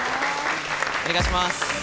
お願いします。